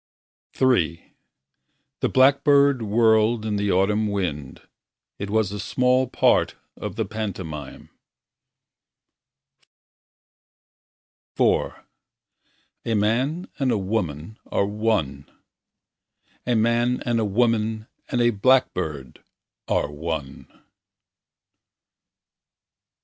III The blackbird whirled in the autumn wind It was a small part of the pantomime. IV A man and a woman Are one. A man and a woman and a blackbird Are one.